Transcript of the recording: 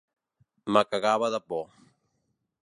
Me cagava de por.